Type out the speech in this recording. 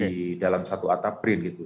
di dalam satu atap brin gitu